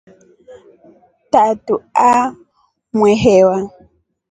Tatu aa mwehewa.